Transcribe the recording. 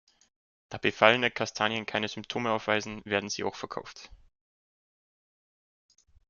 Da befallene Kastanien keine Symptome aufweisen, werden sie auch verkauft.